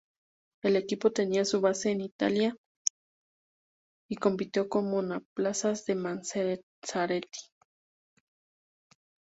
El equipo tenía su base en Italia y compitió con monoplazas de Maserati.